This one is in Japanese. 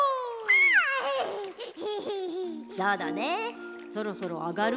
そうだねそろそろあがる？